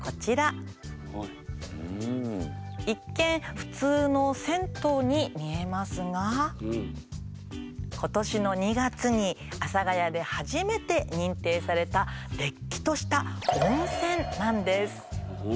一見普通の銭湯に見えますが今年の２月に阿佐ヶ谷で初めて認定されたれっきとした温泉なんです。